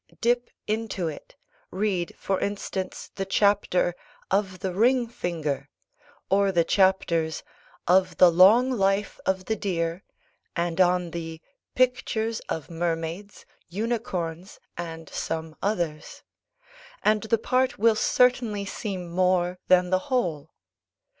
Dip into it: read, for instance, the chapter "Of the Ring finger," or the chapters "Of the Long Life of the Deer," and on the "Pictures of Mermaids, Unicorns, and some Others," and the part will certainly seem more than the whole.